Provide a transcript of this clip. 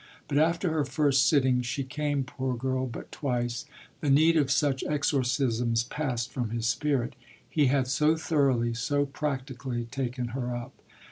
But after her first sitting she came, poor girl, but twice the need of such exorcisms passed from his spirit: he had so thoroughly, so practically taken her up.